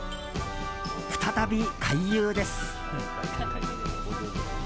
再び回遊です。